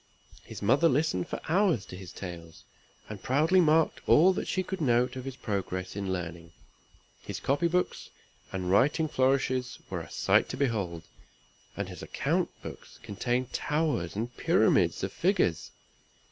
His mother listened for hours to his tales; and proudly marked all that she could note of his progress in learning. His copy books and writing flourishes were a sight to behold; and his account books contained towers and pyramids of figures.